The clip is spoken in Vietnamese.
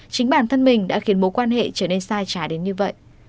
chính bản thân mình đã khiến mối quan hệ trở nên sai trái đến như vậy